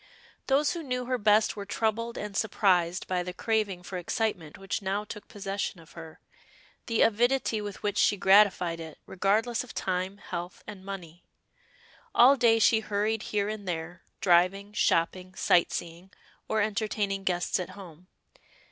Those who knew her best were troubled and surprised by the craving for excitement which now took possession of her, the avidity with which she gratified it, regardless of time, health, and money. All day she hurried here and there, driving, shopping, sight seeing, or entertaining guests at home.